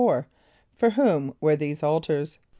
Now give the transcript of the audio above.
= For whom were these altars?